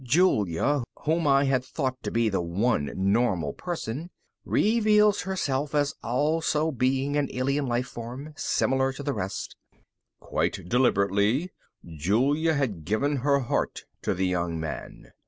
Julia, whom I had thought to be the one normal person, reveals herself as also being an alien life form, similar to the rest: _... quite deliberately, Julia had given her heart to the young man.